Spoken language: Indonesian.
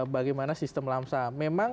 bagaimana sistem lamsam memang